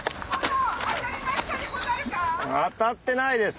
当たってないです。